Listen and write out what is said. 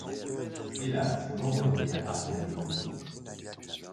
Hélas ! l'ombre d'hier assombrit aujourd'hui.